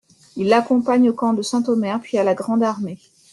Il l'accompagne au camp de Saint-Omer, puis à la Grande Armée.